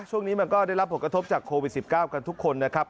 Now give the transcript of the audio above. ช่วงนี้มันก็ได้รับผลกระทบจากโควิด๑๙กันทุกคนนะครับ